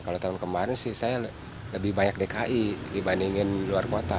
kalau tahun kemarin sih saya lebih banyak dki dibandingin luar kota